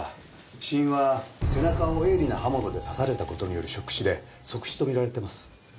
死因は背中を鋭利な刃物で刺された事によるショック死で即死と見られています。